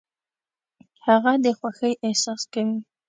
هغه د خوښۍ احساس کوي .